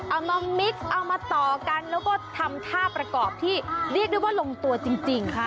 เอามามิกเอามาต่อกันแล้วก็ทำท่าประกอบที่เรียกได้ว่าลงตัวจริงค่ะ